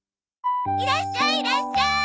いらっしゃいいらっしゃい！